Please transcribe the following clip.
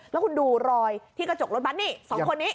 แล้วคุณดูรอยที่กระจกรถบัตรนี่๒คนนี้